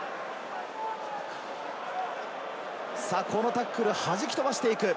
このタックル、弾き飛ばしていく。